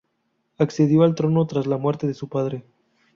Accedió al trono tras la muerte de su padre.